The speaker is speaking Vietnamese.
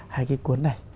hai cái cuốn này